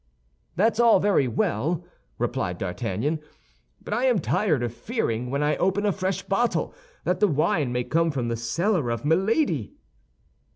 "That's all very well," replied D'Artagnan; "but I am tired of fearing when I open a fresh bottle that the wine may come from the cellar of Milady."